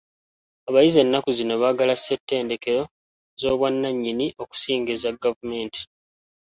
Abayizi ensangi zino baagala ssettendekero z'obwannannyini okusinga eza gavumenti.